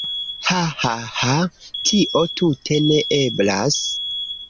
Hahaha. Tio tute ne eblas